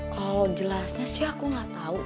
kalau jelasnya sih aku nggak tahu